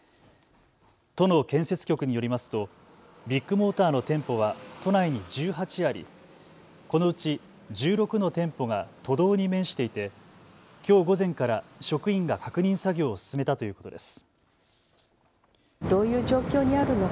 都の建設局によりますとビッグモーターの店舗は都内に１８あり、このうち１６の店舗が都道に面していてきょう午前から職員が確認作業を進めたということです。